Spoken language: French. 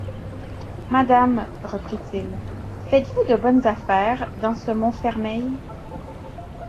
Madame, reprit-il, faites-vous de bonnes affaires dans ce Montfermeil?